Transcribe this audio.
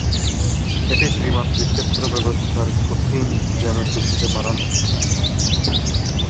এটি ত্রিমাত্রিক ক্ষেত্র ব্যবস্থার কঠিন জ্যামিতির সাথে মানানসই।